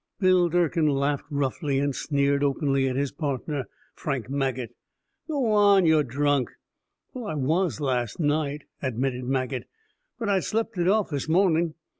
Bill Durkin laughed roughly, and sneered openly at his partner, Frank Maget. "G'wan, you're drunk." "Well, I was last night," admitted Maget. "But I'd slept it off this morning.